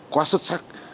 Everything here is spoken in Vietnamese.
quá xuất sắc